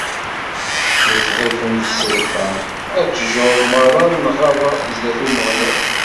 Iẓẓifemt si lferḥ, a ttjur merra n lɣaba, sdat Umeɣlal.